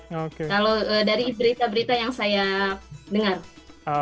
kalau dari berita berita yang saya dengar